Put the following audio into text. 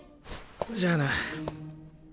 じゃあな。